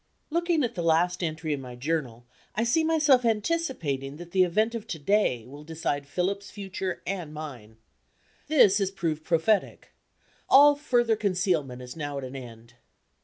Looking at the last entry in my Journal, I see myself anticipating that the event of to day will decide Philip's future and mine. This has proved prophetic. All further concealment is now at an end.